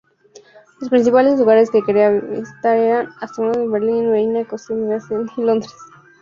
Los principales lugares que quería visitar eran Ámsterdam, Berlín, Viena, Copenhague, Venecia y Londres.